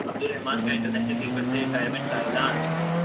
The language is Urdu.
عبدالرحمن کا انٹرنیشنل کرکٹ سے ریٹائرمنٹ کا اعلان